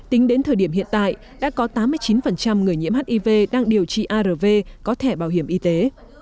tính đến thời điểm hiện tại đã có tám mươi chín người nhiễm hiv đang điều trị arv có thẻ bảo hiểm y tế